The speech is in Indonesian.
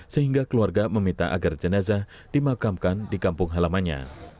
sehingga keluarga meminta agar jenazah dimakamkan di kampung halamannya